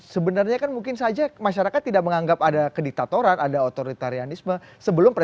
sebenarnya kan mungkin saja masyarakat tidak menganggap ada kediktatoran ada otoritarianisme